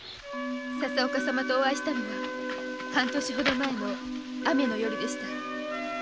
佐々岡様とお会いしたのは半年ほど前の雨の夜でした。